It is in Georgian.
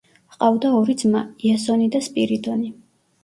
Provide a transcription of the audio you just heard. ჰყავდა ორი ძმა იასონი და სპირიდონი.